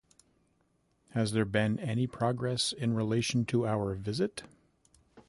Has there been any progress in relation to our visit?